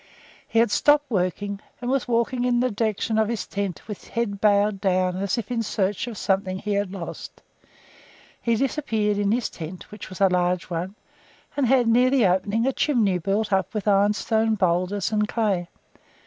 He had stopped working, and was walking in the direction of his tent, with head bowed down as ifin search of something he had lost. He disappeared in his tent, which was a large one, and had, near the opening, a chimney built up with ironstone boulders and clay.